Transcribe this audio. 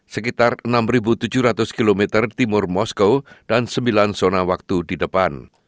sekitar enam tujuh ratus km timur moskow dan sembilan zona waktu di depan